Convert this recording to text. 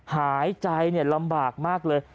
หายใจลำบากมากเลย